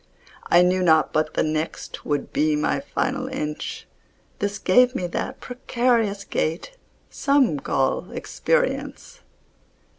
I knew not but the next Would be my final inch, This gave me that precarious gait Some call experience.